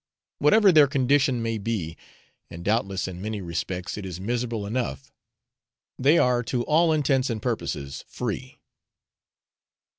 Whatever their condition may be and doubtless in many respects it is miserable enough they are to all intents and purposes free.